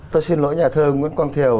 tôi xin lỗi nhà thơ nguyễn quang thiều